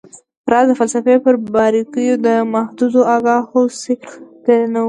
راز د فلسفې پر باریکیو د محدودو آګاهو څیرو له ډلې نه و